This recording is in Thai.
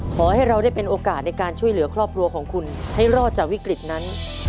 ขอให้เราได้เป็นโอกาสในการช่วยเหลือครอบครัวของคุณให้รอดจากวิกฤตนั้น